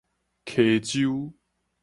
溪洲